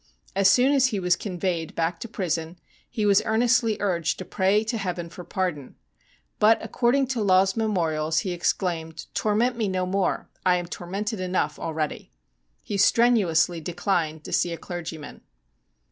As soon as he was conveyed back to prison he was earnestly urged to pray to heaven for pardon. But, ac cording to ' Law's Memorials,' he exclaimed, ' Torment me no more. I am tormented enough already.' He strenuously declined to see a clergyman.